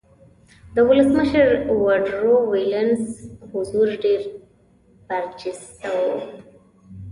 د ولسمشر ووډرو وېلسن حضور ډېر برجسته و